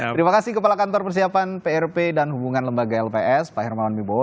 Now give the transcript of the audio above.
terima kasih kepala kantor persiapan prp dan hubungan lembaga lps pak hermawan bibowo